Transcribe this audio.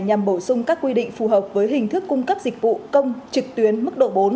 nhằm bổ sung các quy định phù hợp với hình thức cung cấp dịch vụ công trực tuyến mức độ bốn